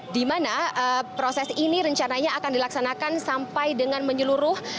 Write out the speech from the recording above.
dimana proses ini rencananya akan dilaksanakan sampai dengan menyeluruh